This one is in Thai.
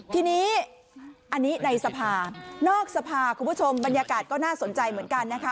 ทีนี้อันนี้ในสภานอกสภาคุณผู้ชมบรรยากาศก็น่าสนใจเหมือนกันนะคะ